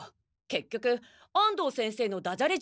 結局安藤先生のダジャレ